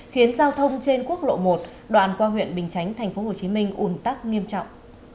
khiến giao thông trên quốc lộ một đoàn qua huyện bình chánh tp hcm un tắc nghiêm trọng